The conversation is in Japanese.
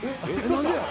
何でや？